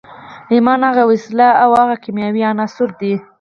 ايمان هغه وسيله او هغه کيمياوي عنصر دی.